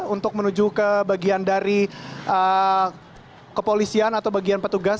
untuk menuju ke bagian dari kepolisian atau bagian petugas